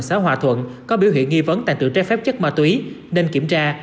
xã hòa thuận có biểu hiện nghi vấn tàn tự trái phép chất ma túy nên kiểm tra